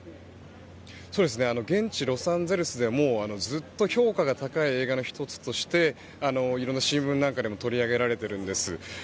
現地ロサンゼルスでもずっと評価が高い映画の１つとして色んな新聞なんかでも取り上げられているんです。